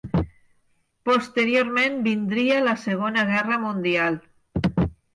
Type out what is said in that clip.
Posteriorment, vindria la segona guerra mundial.